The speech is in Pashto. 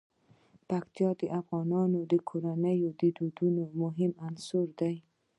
پکتیا د افغان کورنیو د دودونو مهم عنصر دی.